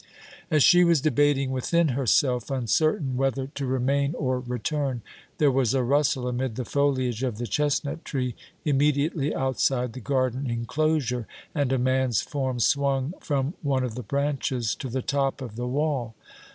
As she was debating within herself, uncertain whether to remain or return, there was a rustle amid the foliage of the chestnut tree immediately outside the garden enclosure, and a man's form swung from one of the branches to the top of the wall.